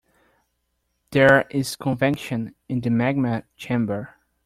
There is convection in the magma chamber.